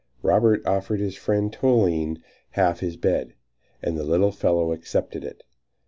Robert offered his friend Toline half his bed, and the little fellow accepted it.